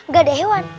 gak ada hewan